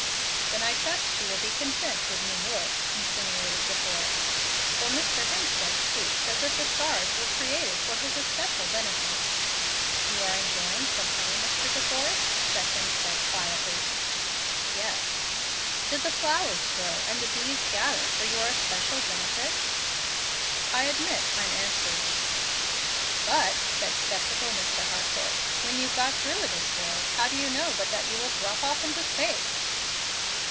"Then I trust she will be content with New York," insinuated De Forrest; "for Mr. Hemstead speaks as if the stars were created for his especial benefit." "You are enjoying some honey, Mr. De Forrest?" said Hemstead, quietly. "Yes." "Did the flowers grow and the bees gather for your especial benefit?" "I admit I'm answered." "But," said sceptical Mr. Harcourt, "when you've got through with this world how do you know but that you will drop off into space?"